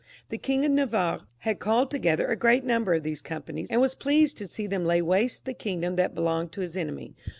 The King of Navarre had called together a great number of these companies, and was pleased to see them lay waste the kingdom that be longed to his enemy.